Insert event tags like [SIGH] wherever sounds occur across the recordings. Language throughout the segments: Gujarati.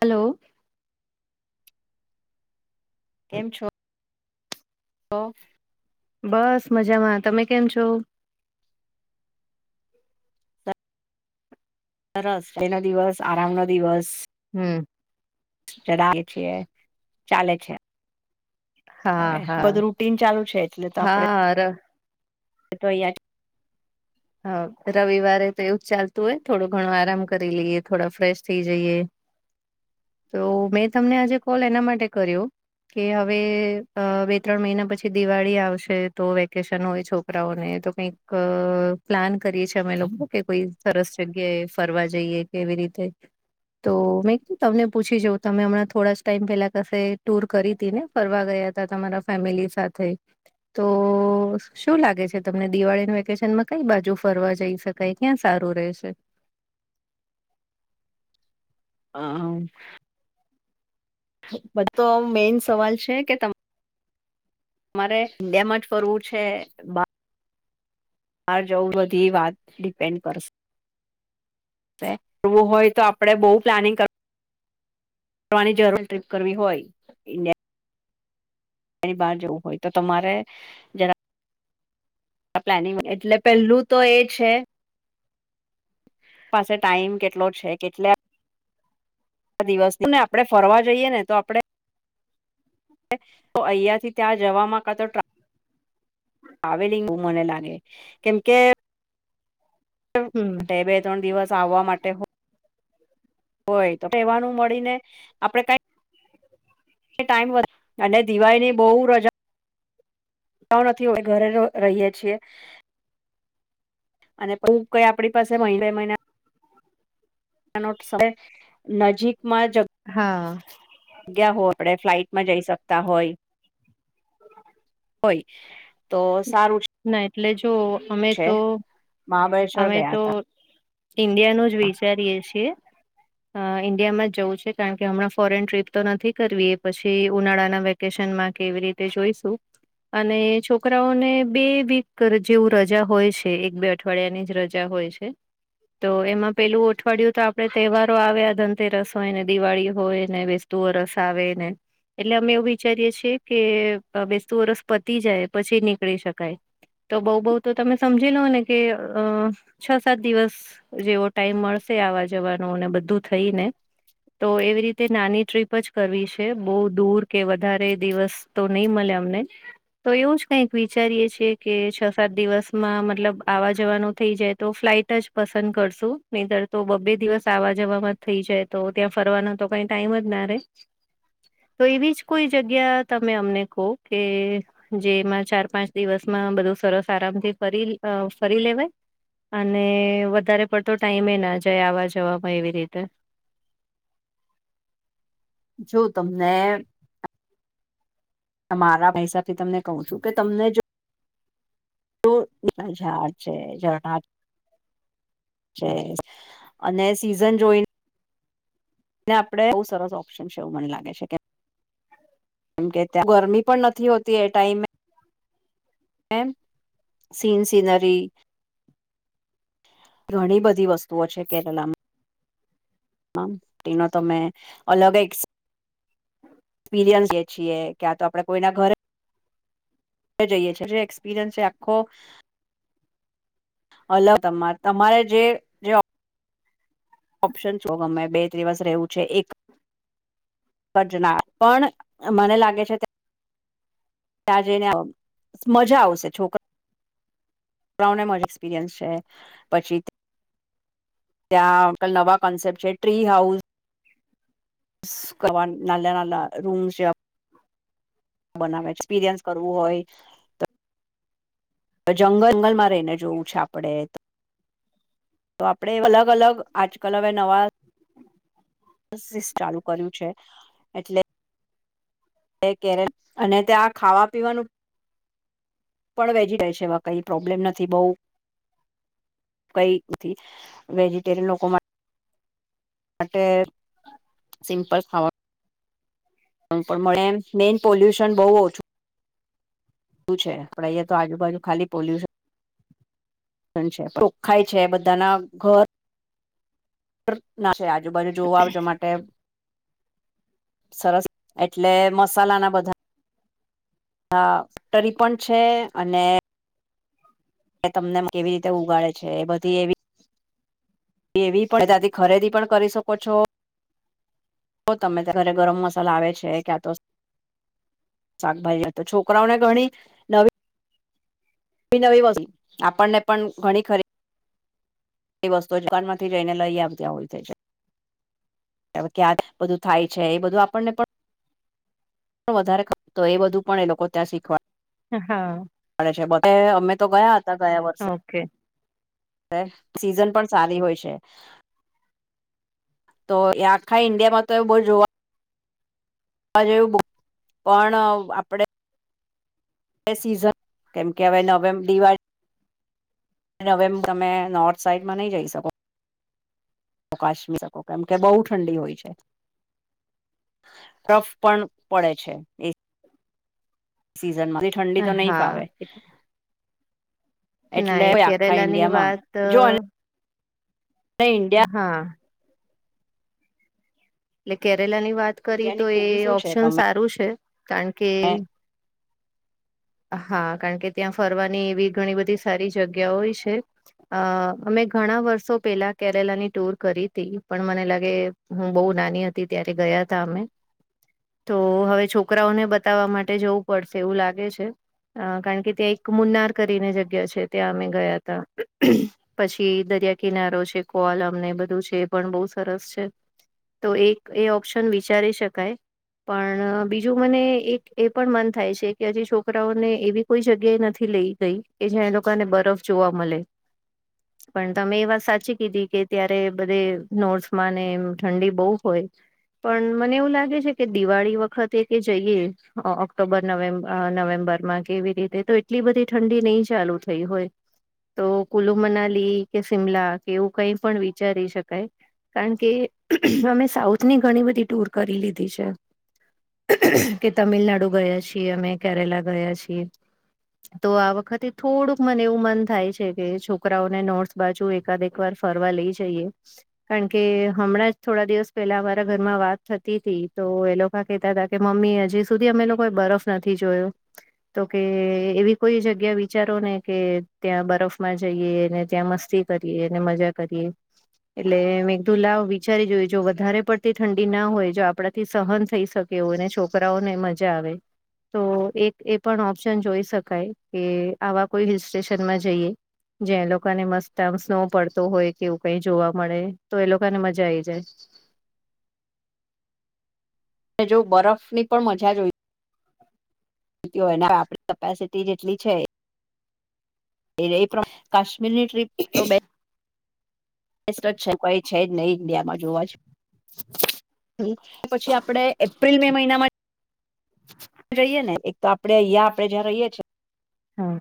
હલો. કેમ છો? તો. બસ મજામાં. તમે કેમ છો? સરસ એ નો દિવસ આરામ નો દિવસ. હમ. જરા છીએ ચાલે છે. હા હવે હા બધું રૂટીન ચાલુ છે એટલે તો આપડે હા ર [UNINTELLIGIBLE] હા રવિવારે તો એવું જ ચાલતું હોય થોડો ઘણો આરામ કરી લઈએ, થોડા ફ્રેશ થઈ જઈએ. તો મેં તમને આજે કોલ એના માટે કર્યો. કે હવે બે ત્રણ મહિના પછી દિવાળી આવશે તો વેકેશન હોય છોક કરા ઓને તો કંઈક પ્લાન કરીએ છે અમે લોકો કે કોઈ સરસ જગ્યાએ ફરવા જઈએ કેવી રીતે. તો મેં કીધુ તમને પૂછી જોઉં તમે હમણાં થોડા જ ટાઈમ પેલા કશે ટૂર કરી હતી ને? ફરવા ગયા તા તમારા ફેમિલી સાથે. તો શું લાગે છે તમને દિવાળીના વેકેશનમાં કઈ બાજુ ફરવા જઈ શકાય? ક્યાં સારું રહેશે? હા. બધો તો મેઈન સવાલ છે કે તમ મારે ઇન્ડિયામ જ ફરવું છે? બહાર બાર જવું બધી એ વાત ડિપેન્ડ કરશે. કરવું હોય તો આપડે બહુ પ્લાનિંગ કર વાની જરૂર ટ્રીપ કરવી હોય તો ઇન્ડિયા ની બહાર જવું હોય તો તમારે જરા આ પ્લાનિંગ એટલે પેલું તો એ છે પાસે ટાઈમ કેટલો છે? કેટલા દિવસ થી ને આપડે ફરવા જઈએ ને તો આપડે. તો અહિયા થી ત્યાં જવા માં કા તો ટ્રા ટ્રાવેલિગ મને લાગે કેમ કે હમ બે ત્રણ દિવસ આવવા માટે હો હોય તો રેવાનું મળીને આપડે કઈ. ટાઈમ અને દિવાળીની બહુ રજા. જાઓ નથી અવે ઘરે રહીએ છીએ. અને પહી કઈ આપડી પાસે મહિને મહિના [INAUDIBLE] નજીકમાં જ હા ગયા હો આપડે ફ્લાઇટમાં જઈ શકતા હોય [UNINTELLIGIBLE] હોય તો સારું ના એટલે જો અમે છે તો મહાબળેશ્વર અમે ગયા તો હતા ઇન્ડિયાનું જ વિચારીએ છીએ અ ઇન્ડિયા માં જવું છે, કારણ કે હમણાં ફોરેન ટ્રીપ તો નથી કરવી એ પછી ઉનાળાના વેક -કેશન માકે એવી રીતે જોઈશું અને છો- છોકરાઓને બે વીક જેવું રજા હોય છે એક બે અઠવાડિયાની જ રજા હોય છે. તો એમાં પેલું અઠવાડિયું તો આપડે તહેવારો આવે ધનતેરસ હોય ને દિવાળી હોયને બેસ- -તું વરસ આવે ને એટલે અમે એવું વિચારીએ છીએ કે બેસતું વરસ પતી જાય. પછી નીકળી શકાય. તો બઉ બઉ તો તમે સમજી લો ને કે અ છ સાત દિવસ. જેવો ટાઈમ મળશે આવા જવાનોને બધું થઈ ને, તો એવી રીતે નાની ટ્રીપ જ કરવી છે બઉ દૂર કે વધારે દિવસ તો નઈ મલે અમને તો એવું જ. કઈક વિચારીએ છેએ કે છ સાત દિવસમાં મતલબ આવા જવાનું થઈ જાય તો ફ્લાઇટ જ. પસંદ કરશું, નઇતર તો બબે દિવસ આવા જવામાં થઈ જાય તો ત્યાં ફરવાનો તો કઈ ટાઈમ જ ના રે. તો એવી જ કોઈ જગ્યા તમે અમને કો કે જેમાં. ચાર પાંચ દિવસમાં બધું સરસ આરામ થી ફરી અ ફરી લેવાય. અને વધારે પડતો ટાઈમે ના જાય આવા જવામાં એવી રીતે જો તમને. ત મારા હિસાબથી તમને કહું છું કે તમને જો. તો [UNINTELLIGIBLE] છે [UNINTELLIGIBLE] [INAUDIBLE] અને સીઝન જોઈ. ને આપડે બહુ સરસ ઓપ્શન છે એવું મને લાગે છે કે કેમ કે ત્યાં ગરમી પણ નથી હોતી એ ટાઈમે. [UNINTELLIGIBLE] Scene scenery. ઘણી બધી વસ્તુઓ છે કેરલામાં, હા તેનો તમે અલગ એક- [UNINTELLIGIBLE] [UNINTELLIGIBLE] ક્યાં તો આપડે કોઈના ઘરે. જઈએ છી જે એક્સપીરિયન્સ છે આખ્ખો. હલો તમારે તમારે જે જે ઓપ્શન છો ગમે બે દિવસ રહેવું છે, એક [UNINTELLIGIBLE] પણ મને લાગે છે, ત્ય ત્યાં જઈને મજા આવશે છોકરા- [UNINTELLIGIBLE] એક્સપિરિયન્સ છે. પછી ત્યાં [UNINTELLIGIBLE] નવા કોન્સેપ્ટ છે, ટ્રી હાઉસ કરવા નાલા નાલા. રૂમ [UNINTELLIGIBLE] બનાવે એક્સપિરિયન્સ કરવું હોય. જંગ જંગલમાં રહીને જોવું છે આપડે ત તો આપણે અલગ અલગ આજકાલ હવે નવા. [UNINTELLIGIBLE] ચાલુ કર્યું છે એટલે [UNINTELLIGIBLE] અને ત્યાં ખાવા પીવાનું. પણ વેજી [UNINTELLIGIBLE] છે એવા કઈ પ્રોબ્લેમ નથી બઉ. કઈ નથી વેજીટેરિયન લોકો માટે, [UNINTELLIGIBLE] બસ ખાવા. પણ મળે મેઈન પોલ્યુશન બહુ ઓછું. ઓછું છે પણ અહીંયા તો આજુ-બાજુ ખાલી પોલ્યુશન. -છે ચોખ્ખાય છે, બધાના ઘર- ના [UNINTELLIGIBLE] છે આજુબાજુ જોવામાટે... સરસ, એટલે મસાલા ના બધા- હા [UNINTELLIGIBLE] પણ છે અને- [UNINTELLIGIBLE] કે, તમને કેવી રીતે ઉગાડે છે, એ બધી એવી- એવી પણ, ત્યાથી ખરેદી પણ કરી શકો છો. તો, તમે ઘરે ગરમ મસાલા આવે છે ક્યાં તો- શાકભાાજી તો છોકરાઓને ઘણી નવી- નવી નવી વસ્તુ, આપણને પણ ઘણી ખરી- -એ વસ્તુઓ દુકાનમાંથી જઈને લઈ આવતા હોય છે [UNINTELLIGIBLE] હવે [UNINTELLIGIBLE] આ બધું થાય છે. એ બધું આપણને પણ- પણ વધારે [UNINTELLIGIBLE] એ બધું પણ એ લોકો ત્યાં શીખવા- હા પડે છે, બ અમે તો ગયા હતા ગયા વર- ઓકે. સીઝન પણ સારી હોય છે. તો, એ આખા ઇન્ડિયા માં તો બહુ જોવા- [UNINTELLIGIBLE] [UNINTELLIGIBLE] પણ આપડે. સીઝન કેમ કે, [UNINTELLIGIBLE] હવે નવેમ્બર દિવાળી... નવેમ્બર મે, નોર્થ સાઈડમાં નહી જઈ શકો. તો ક [UNINTELLIGIBLE] કેમ કે બહુ ઠંડી હોય છે. ટફ પણ પડે છે. સીઝનમાં ઠંડી તો નહીં ફાવે. હા ના એટલે એ આખા કેરેલાની ઈન્ડિયામાં વાત જો- અ નઇન... હા. -એટલે કેરેલા ની વાત કરી, તો ઈન્ડિયાની એ ખૂબી શું છે ઓપ્શન તમે સારું છે કારણ કે- હા, કારણ કે, ત્યાં ફરવાની એવી ઘણી બધી સારી જગ્યાઓય છે. અ અમે ઘણા વર્ષો પેલા, કેરેલા ની ટુર કરી હતી. પણ મને લાગે હું બઉ- -નાની હતી, ત્યારે ગયા તા અમે. તો, હવે, છોકરાઓને બતાવવા માટે જવું પડશે એવું લાગે છે. અ કારણ કે, ત્યાં, એક મુન્નાર કરીને જગ્યા છે, ત્યાં અમે ગયા તા. પછી, દરિયા કિનારો છે, કોઆલમ ને બધું છે, એ પણ બઉ સરસ‌ છે. તો, એક, એ ઓપ્શન વિચારી શકાય. પણ, બીજું મને એક એ પણ મન છે કે, હજી છોકરાંઓને એવી કોઈ જગ્યાએ નથી લઈ- -ગઈ એટલે એ લોકોને બરફ જોવા મલે. પણ, તમે એ વાત સાચી કીધી કે, ત્યારે બધે નોથૅ માં ને ઠંડી- -બહું હોય, પણ મને એવું લાગે છે કે, દિવાળી વખતે કે જઈએ. ઓ ઓક્ટોબર નવેમ્બ નવેમ્બરમાં કે એવી રીતે તો એટલી બધી ઠંડી નહી ચાલુ થઈ હોય. તો, કુલ્લુ મનાલી કે શિમલા કે એવું કંઈ પણ વિચારી શકાય. કારણ કે, અમે સાઉથની ઘણી બધી ટુર કરી લીધી છે. કે, તમિલનાડુ ગયા છીએ, અમે, કેરેલા ગયા છીએ. તો, આ વખતે થોડુંક મને એવું મન થાય છે કે, છોકરાઓને નોર્થ બાજુ એકાદ- -એક વાર ફરવા લઈ જઈએ. કારણ કે હમણાં જ- થોડા દિવસ પહેલા અમારા ઘરમાં વાત થતી તી, તો એ લોકો કેહેતા હતા કે મમ્મી હજી સુધી અમે લોકોએ બરફ- નથી જોયો. તો કે એવી કોઈ જગ્યા વિચારો ને કે ત્યાં બરફમાં જઈએ ને ત્યાં મસ્તી કરીએ અને મજા કરીએ એટલે મેકઘુ લાવ વી વિચારી જોઈએ જો વધારે પડતી ઠંડી ના હોય જો આપણાથી સહન થઈ શકે હોયને છોકરાઓને મજા આવે. તો એક એ પણ ઓપ્શન જોઈ શકાય કે આવા કોઈ હિલ સ્ટેશનમાં જઈએ. જ્યા એ લોકોને મસ્ત આમ સ્નો પડતો હોય કે એવું કઈ જોવા મળે તો એ લોકોને મજા જાય- જાય. જો બરફ ની પણ મજા જોઈ આપણા કેપેસિટી જેટલી છે. એ [UNINTELLIGIBLE] એ કશ્મીરની ટ્રિપ [INAUDIBLE] કોઈ છે જ નહી ઇન્ડિયામાં જોવા જ. પછી આપડે પ્રિલ મે મહિનામાં જઈએ ને એક તો આપણે અહીંયા આપડે જ્યાં રહીએ છીએ. હા.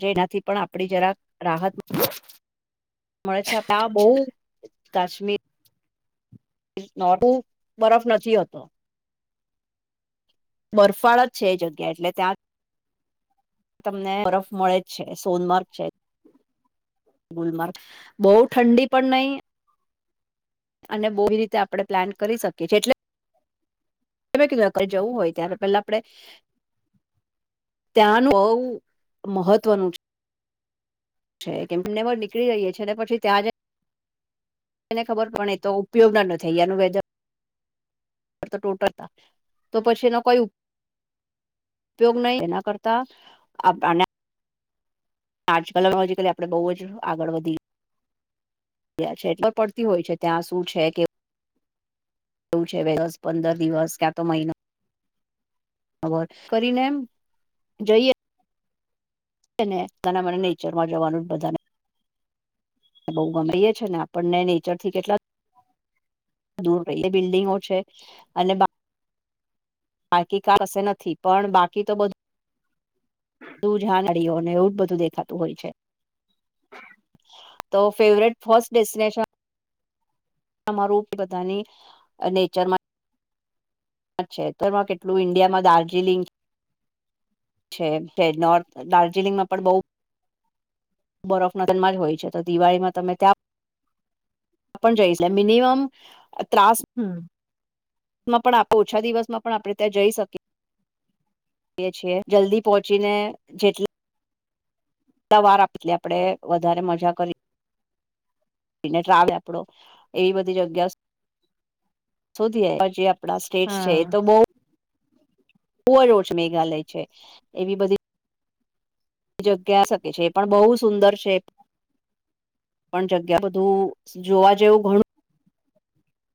તજે એનાથી પણ આપણી જરાક રાહત મળે છે આપે આ બહુ કાશ્મીર [UNINTELLIGIBLE] બરફ નથી હોતો. બરફાળ જ છે એ જગ્યા એટલે ત્યાં તમને બરફ મળે જ છે સોનમાર્ગ છે. ગુલમાર્ગ બહુ ઠંડી પણ નહી અને [UNINTELLIGIBLE] રીતે આપણે પ્લાન કરી શકીએ છીએ એટલે તમે કીધું જવું હોય ત્યારે પેલા આપડે ત્યાંનું બઉ મહત્વનું છે. છે કે કેમનેર નીકળી રહીએ છીએ ને પછી તયાં જ એને ખબર પણ એ તો ઉપયોગ ના નથી અહીંયા નુ વેધર ટો [UNINTELLIGIBLE] પછી એનો કોઈ ઉપયોગ નહી એના કરતા [UNINTELLIGIBLE] આના આજકાલમાં લોજીકલી આપણે બહુ જ આગળ વધી [UNINTELLIGIBLE] છે એટલે પડતી હોય છે ત્યાં શું છે કે. એવુ છે. દસ પંદર દિવસ કા તો મહિનો [UNINTELLIGIBLE] કરીને એમ જઈએ. [UNINTELLIGIBLE] માં જવાનું જ બધાને. બહુ ગમે એ છે ને આપણને નેચર થી કેટલા દૂર પેલી બિલ્ડિંગો છે અનેબા બાકી [UNINTELLIGIBLE] નથી પણ બાકી તો બધું તું [UNINTELLIGIBLE] એવું જ બધું દેખાતું હોય છે. [INAUDIBLE] તો ફેવરેટ ફર્સ્ટ ડેસ્ટિનેશન તમારું બધાની અ નેચરમાં છે. તેમાં કેટલું ઇન્ડિયા માં દાર્જિલિંગ છે. તે નોર્થ દાર્જિલિંગમાં પણ બઉ બરફના [UNINTELLIGIBLE] માં હોય છે. તો દિવાળીમાં તમે ત્યાં આપણ જઈશ. મિનિમમ ત્રાસ હમ્મ. મા પણ આપ ઓછા દિવસમાં પણ આપણે ત્યાં જઈ શકીએ. એ છીએ જલ્દી પહોંચીને જેટ લા વાર આપલી આપડે વધારે મજા કરી એને ટ્રાવે આપડો એવી બધી જગ્યા શોધીયે પછી આપ ડા સ્ટેટ્સ છે હા તો બઉ બો યોજના ઘાલી છે એવી બધી જગ્યા શકે છે એ પણ બઉ સુંદર છે પણ જગ્યા બધું જોવા જેવું ઘણું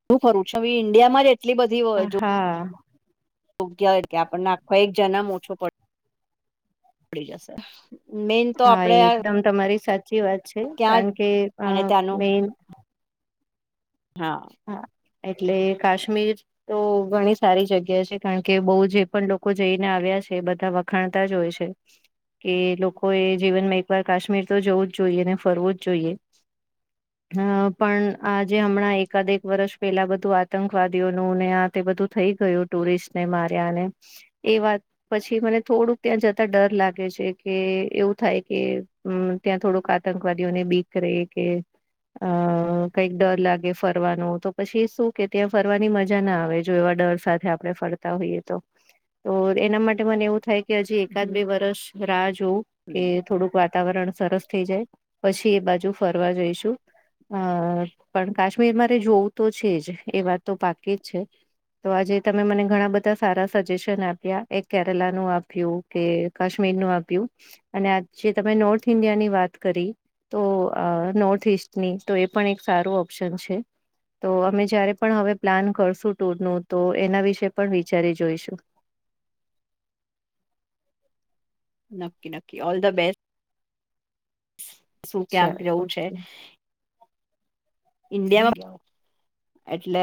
બો ફરુ છુ અવે ઈન્ડિયામાં જ એટલી બધી વ જો હા. [UNINTELLIGIBLE] ગયા કે આપણને આખો એક જન્મ ઓછો પડ પડી જશે મેન તો હા એ આપડે એકદમ તમારી સાચી વાત છે ક્યાં કાણ કે અ અને ત્યાંનું મેન હાં. હાં એટલે કાશ્મીર તો ઘણી સારી જગ્યા છે કાણ કે બઉ જે પણ લોકો જઈને આવ્યા છે બધા વ ખાણતા જ હોય છે. એ લોકોએ જીવનમાં એકવાર કાશ્મીર તો જવું જ જોઈએ ને ફરવું જ જોઈએ. હાં પણ આજે અમણાં એક એકાદેક વરસ પેલા બધું આતંકવાદીઓનું ને આ તે બધું થઈ ગયું ટુરિસ્ટને માર્યા ને એ વાત પછી મને થોડુંક ત્યાં જતા ડર લાગે છે કે એવું થાય કે અં ત્યાં થોડુંક આતંકવાદીઓને બીક રેય કે અ કંઈક ડર લાગે. ફરવાનું તો પછી શું કે ત્યાં ફરવાની મજા ના આવે જો એવા ડર સાથે આપણે ફરતા હોઈએ તો. તો એના માટે મને એવું થાય કે હજી એકાદ હમ બે વરસ રાહ જોઉ કે થોડુંક વાતાવરણ સરસ થઈ જાય પછી એ બાજુ ફરવા જઈશું અ પણ કાસ મીર મારે જોવું તો છે જ એ વાત તો પાકી જ છે. તો આજે તમે મને ઘણા બધા સારા સજેશન આપ્યા એક કેરલાનું આપ્યું. કે કાશ્મીર નું આપ્યું અને આ જે તમે નોર્થ ઈન્ડિયાની વાત કરી તો આ નોર્થ ઈસ્ટની તો એ પણ એક સારું ઓપ્શન છે. તો અમે જયારે પણ હવે પ્લાન કરશું ટુરનું તો એના વિશે પણ વિચારી જોઈશું. નક્કી નક્કી ઓલ ધ બેસ્ટ શું શું ક્યાંક ચાલ જવું છે ઓકે ઇન્ડિયા માં એટલે